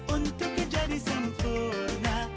untuk kejadian sempurna